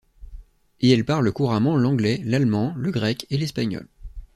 Et elle parle couramment l'anglais, l'allemand, le grec et l'espagnol.